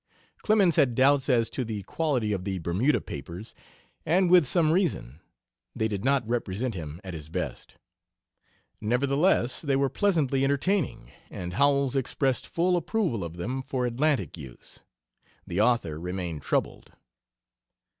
Clemens had doubts as to the quality of the Bermuda papers, and with some reason. They did not represent him at his best. Nevertheless, they were pleasantly entertaining, and Howells expressed full approval of them for Atlantic use. The author remained troubled.